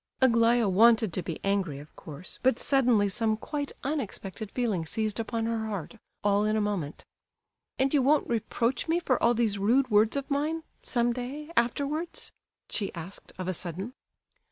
Aglaya wanted to be angry, of course, but suddenly some quite unexpected feeling seized upon her heart, all in a moment. "And you won't reproach me for all these rude words of mine—some day—afterwards?" she asked, of a sudden.